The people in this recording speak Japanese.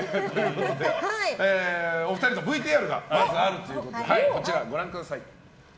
お二人のＶＴＲがあるということでこちら、ご覧ください。